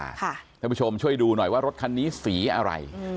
ท่านผู้ชมช่วยดูหน่อยว่ารถคันนี้สีอะไร